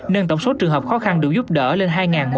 nên tổng số trường hợp khó khăn đủ giúp đỡ lên